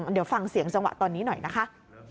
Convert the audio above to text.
เดี๋ยวฟังเสียงจังหวะตอนนี้หน่อยนะคะ